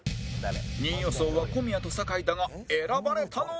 ２位予想は小宮と酒井だが選ばれたのは